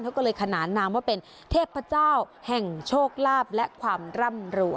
เขาก็เลยขนานนามว่าเป็นเทพเจ้าแห่งโชคลาภและความร่ำรวย